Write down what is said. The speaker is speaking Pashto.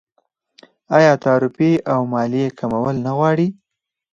آیا تعرفې او مالیې کمول نه غواړي؟